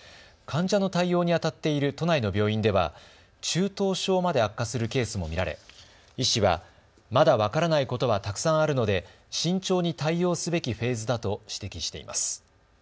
患者の対応にあたっている都内の病院では中等症まで悪化するケースも見られ医師はまだ分からないことはたくさんあるので慎重に対応すべきフェーズだと指摘しています。